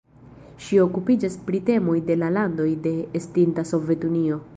Ŝi okupiĝas pri temoj de la landoj de estinta Sovetunio.